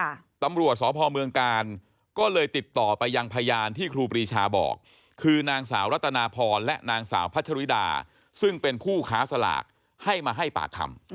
ตำรวจสพเมืองกาลก็เลยติดต่อไปยังพยานที่ครูปรีชาบอกคือนางสาวรัตนาพรและนางสาวพัชริดาซึ่งเป็นผู้ค้าสลากให้มาให้ปากคำ